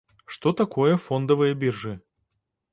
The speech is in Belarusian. Што такое фондавыя біржы?